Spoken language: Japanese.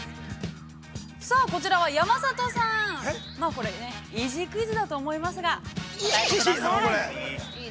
◆さあ、こちらは山里さん、これね、イージークイズだと思いますが、答えてください。